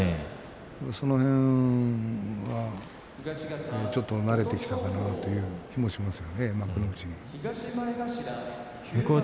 その辺は慣れてきたかなという気もします。